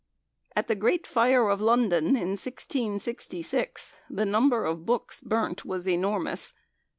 At the Great Fire of London in 1666, the number of books burnt was enormous.